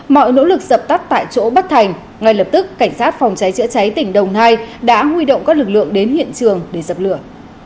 mọi nỗ lực dập tắt tại chỗ bất thành ngay lập tức cảnh sát phòng cháy chữa cháy tỉnh đồng nai đã huy động các lực lượng đến hiện trường để dập lửa